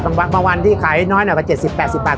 บางวันที่ขายน้อยหน่อยกว่า๗๐๘๐บาท